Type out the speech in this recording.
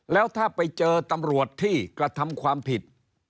แล้วถ้าไปเจอตำรวจที่กระทำความผิด